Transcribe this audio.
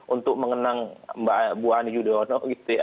untuk mengenang mbak buwani yudhoyono gitu ya